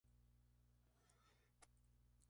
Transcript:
Su símbolo es pt.